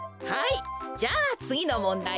じゃあつぎのもんだいよ。